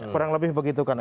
kurang lebih begitu kan